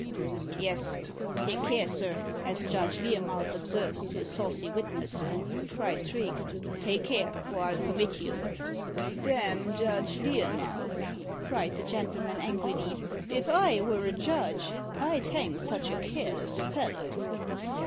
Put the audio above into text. "Yes! take care, sir, as Judge Learmouth observes to a saucy witness," cried Trigge "'take care, or I'll commit you!'" "D n Judge Learmouth!" cried the gentleman angrily. "If I were a judge, I'd hang such a careless fellow."